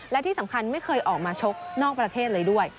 และที่สำคัญไม่เคยออกมาชกนอกประเทศเลยด้วย